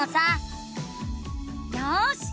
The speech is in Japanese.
よし！